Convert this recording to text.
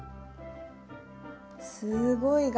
すごい柄。